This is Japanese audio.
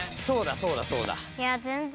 そうだそうだそうだ。